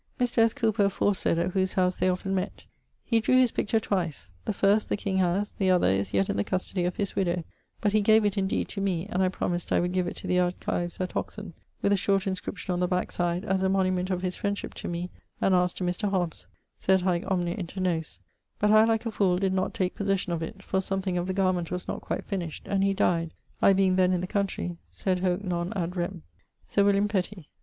Mr. S. Cowper aforesayd, at whose house they often mett. He drew his picture twice: the first the king haz, the other is yet in the custody of his widowe; but he gave it, indeed, to me (and I promised I would give it to the archives at Oxon, with a short inscription on the back side, as a monument of his friendship to me and ours to Mr. Hobbes sed haec omnia inter nos)but I, like a foole, did not take possession of it, for something of the garment was not quite finished, and he dyed, I being then in the countrey sed hoc non ad rem. <_Sir William Petty.